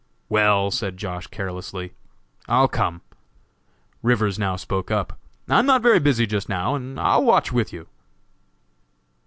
"Well," said Josh., carelessly, "I'll come." Rivers now spoke up: "I am not very busy just now, and I will watch with you."